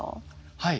はい。